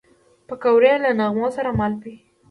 پکورې له نغمو سره مل وي